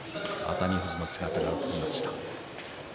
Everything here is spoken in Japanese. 熱海富士の姿が映ってきました。